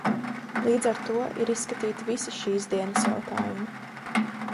Līdz ar to ir izskatīti visi šīsdienas jautājumi.